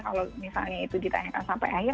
kalau misalnya itu ditanyakan sampai ayah